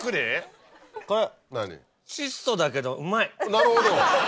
なるほど。